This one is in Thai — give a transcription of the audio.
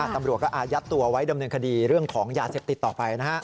ตำรวจก็อายัดตัวไว้ดำเนินคดีเรื่องของยาเสพติดต่อไป